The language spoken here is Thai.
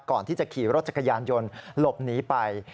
ก่อนที่จะขี่รถจักรยานยนต์หลบหนีไป